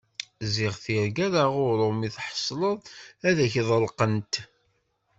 Ziɣ tirga d aɣuṛṛu, mi tḥeṣleḍ ad ak-ḍelqent.